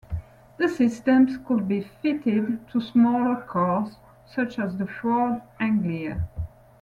The systems could be fitted to smaller cars such as the Ford Anglia.